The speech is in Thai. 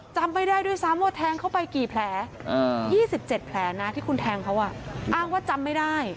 จำไม่ได้ด้วยซ้ำว่าแทงเข้าไปกี่แผล๒๗แผลนะที่คุณแทงเขาอ้างว่าจำไม่ได้